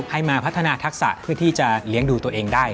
ให้มาพัฒนาทักษะเพื่อที่จะเลี้ยงดูตัวเองได้